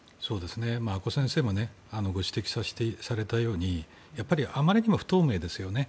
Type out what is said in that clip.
阿古先生もご指摘されたようにやっぱりあまりにも不透明ですよね。